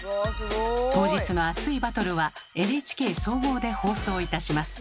当日の熱いバトルはＮＨＫ総合で放送いたします。